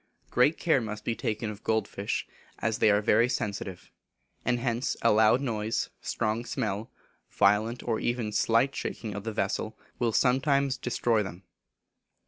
Great care must be taken of gold fish, as they are very sensitive; and hence a loud noise, strong smell, violent or even slight shaking of the vessel, will sometimes destroy them.